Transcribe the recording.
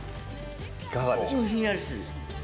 いかがでしょう？